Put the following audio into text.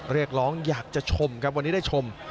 เรียกร้องอยากจะชมครับวันนี้ได้ชม